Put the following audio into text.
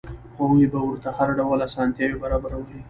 هغوی به ورته هر ډول اسانتیاوې برابرولې.